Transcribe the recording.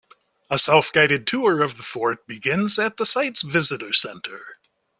A self-guided tour of the fort begins at the site's visitor center.